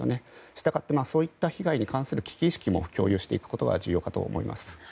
したがって、そういった被害に対する危機意識も共有していくことが重要かと思います。